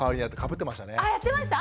あやってました？